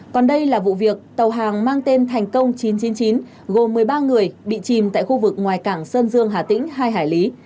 còn đây là vụ việc tàu hàng mang tên thành công chín trăm chín mươi chín gồm một mươi ba người bị chìm tại khu vực ngoài cảng sơn dương hà tĩnh hai hải lý